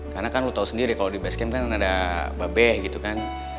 karena kan lo tau sendiri kalo di base camp kan ada babeh gitu kan